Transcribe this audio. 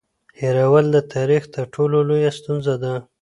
هېرول د تاریخ تر ټولو لویه ستونزه ده.